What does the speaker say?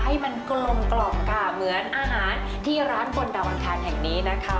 ให้มันกลมกล่อมค่ะเหมือนอาหารที่ร้านบนดาวอังคารแห่งนี้นะคะ